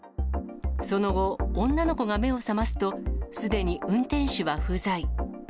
その後、女の子が目を覚ますと、すでに運転手は不在。